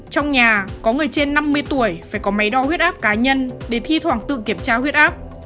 trong nhà có người trên năm mươi tuổi phải có máy đo huyết áp cá nhân để thi thoảng tự kiểm tra huyết áp